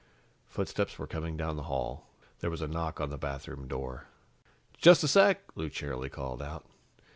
Footsteps were coming down the hall. There was a knock on the bathroom door. "Just a sec," Lou cheerily called out.